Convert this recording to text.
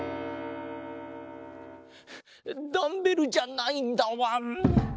ダンベルじゃないんだわん。